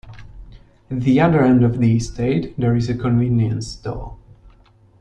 At the other end of the estate there is a convenience store.